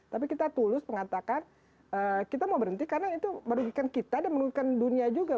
tapi kita tulus mengatakan kita mau berhenti karena itu merugikan kita dan merugikan dunia juga